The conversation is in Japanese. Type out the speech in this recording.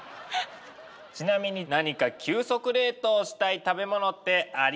ちなみに何か急速冷凍したい食べ物ってありますか？